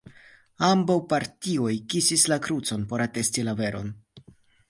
Ambaŭ partioj kisis la krucon por atesti la veron.